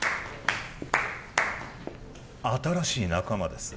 新しい仲間です